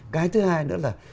cái thứ hai nữa là